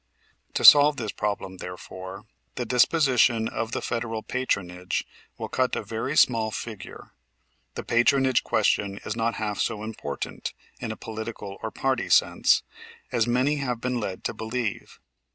To solve this problem, therefore, the disposition of the federal patronage will cut a very small figure. The patronage question is not half so important, in a political or party sense, as many have been led to believe.